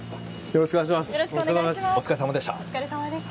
よろしくお願いします。